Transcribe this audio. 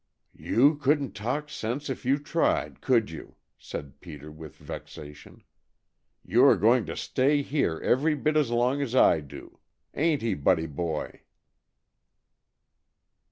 "You couldn't talk sense if you tried, could you?" said Peter with vexation. "You are going to stay here every bit as long as I do. Ain't he, Buddy boy?"